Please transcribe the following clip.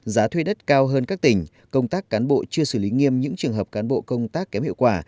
giá thuê đất cao hơn các tỉnh công tác cán bộ chưa xử lý nghiêm những trường hợp cán bộ công tác kém hiệu quả